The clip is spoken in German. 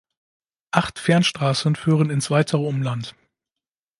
Acht Fernstraßen führen ins weitere Umland.